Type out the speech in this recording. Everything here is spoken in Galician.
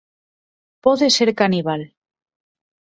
Pode ser caníbal.